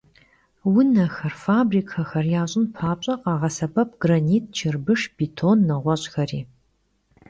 Vunexer, fabrikexer yaş'ın papş'e, khağesebep granit, çırbışş, bêton, neğueş'xeri.